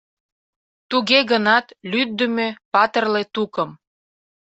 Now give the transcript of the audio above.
Туге гынат лӱддымӧ, патырле тукым